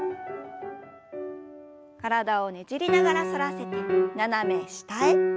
体をねじりながら反らせて斜め下へ。